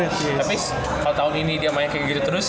tapi kalau tahun ini dia main kayak gitu terus